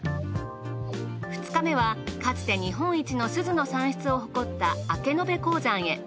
２日目はかつて日本一のすずの産出を誇った明延鉱山へ。